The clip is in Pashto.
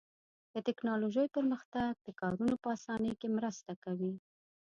د تکنالوژۍ پرمختګ د کارونو په آسانۍ کې مرسته کوي.